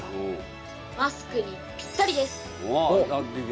マスクにぴったりです！